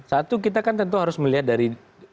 satu kita kan tentu harus melihat dari